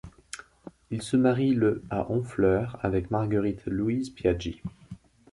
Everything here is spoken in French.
Il se marie le à Honfleur avec Marguerite Louise Piaggi.